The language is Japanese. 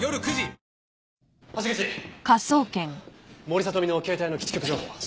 森聡美の携帯の基地局情報は？